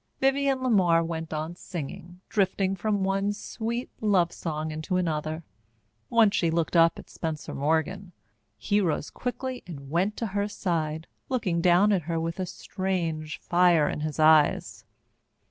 Vivienne LeMar went on singing, drifting from one sweet love song into another. Once she looked up at Spencer Morgan. He rose quickly and went to her side, looking down at her with a strange fire in his eyes.